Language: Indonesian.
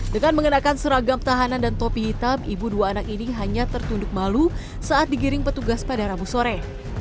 dengan mengenakan seragam tahanan dan topi hitam ibu dua anak ini hanya tertunduk malu saat digiring petugas pada rabu sore